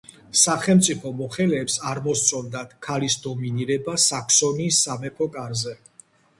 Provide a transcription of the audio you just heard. სახელმწიფო მოხელეებს არ მოსწონდათ „ქალის დომინირება საქსონიის სამეფო კარზე“.